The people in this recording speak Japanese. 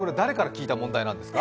これは誰から聞いた問題なんですか？